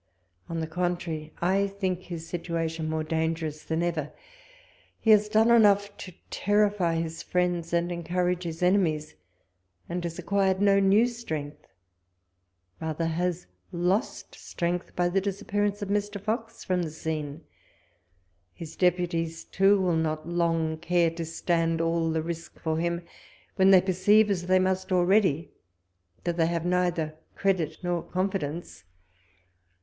On the contrary, I think his situation more dangerous than ever : he has done enough to terrify his friends, and encoux age his enemies, and has acquired no new strength ; rather has lost strength, by the disappearance of Mr. Fox from the scene. His deputies, too, will not long care to stand all the risk for him, when they perceive, as they must already, that they have neither credit nor confidence.